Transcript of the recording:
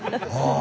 あ